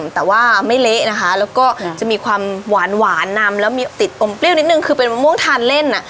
แต่ว่าไม่เละนะคะแล้วก็จะมีความหวานนำแล้วมีติดอมเปรี้ยวนิดนึงคือเป็นมะม่วงทานเล่นอ่ะ